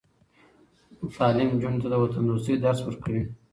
تعلیم نجونو ته د وطندوستۍ درس ورکوي.